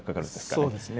そうですね。